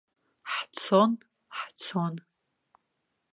Ҳцон, ҳцон.